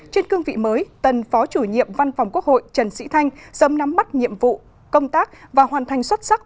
trên cương vị mới tân phó chủ nhiệm văn phòng quốc hội trần sĩ thanh sớm nắm bắt nhiệm vụ công tác và hoàn thành xuất sắc